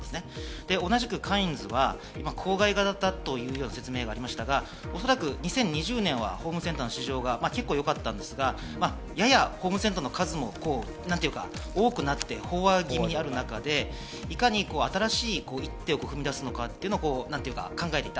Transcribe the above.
同じくカインズは郊外型という説明がありましたが、おそらく２０２０年はホームセンター市場が結構よかったんですが、ややホームセンターの数も多くなって飽和気味になる中でいかに新しい一手を踏み出すのか考えていた。